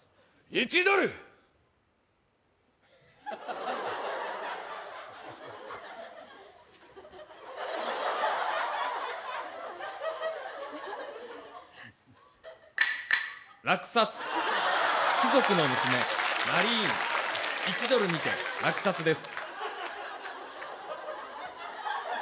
１ドル・落札貴族の娘マリーン１ドルにて落札です